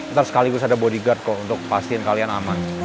ntar sekali gue ada bodyguard kok untuk pastiin kalian aman